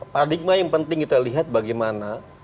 paradigma yang penting kita lihat bagaimana